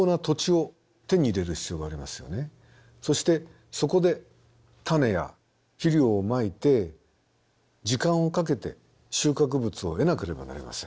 そしてそこで種や肥料をまいて時間をかけて収穫物を得なければなりません。